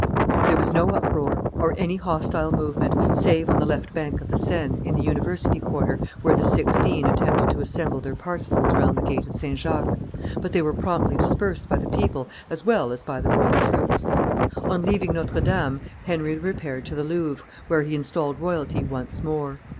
There was no uproar, or any hostile movement, save on the left bank of the Seine, in the University quarter, where the Sixteen attempted to assemble their partisans round the gate of St. Jacques; but they were promptly dispersed by the people as well as by the royal troops. On leaving Notre Dame, Henry repaired to the Louvre, where he installed royalty once more.